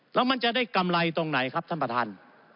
แล้วมันจะได้กำไรตรงไหนครับท่านประธาน